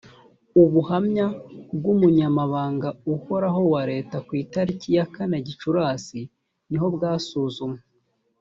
ubuhamya bw umunyamabanga uhorahowa leta ku itariki ya kane gicurasi niho bwasuzumwe